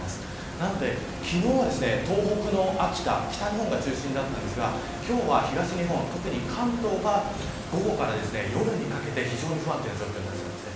なので、昨日は東北の秋田北日本が中心だったんですが今日は東日本、特に関東が午後から夜にかけて、非常に不安定な状況になりそうです。